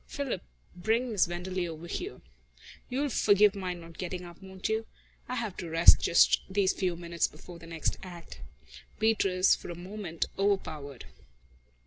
"Philip, bring Miss Wenderley over here. You'll forgive my not getting up, won't you? I have to rest for just these few minutes before the next act." Beatrice was for a moment overpowered.